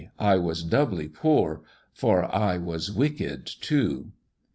I was doubly poor, for I was wicked too.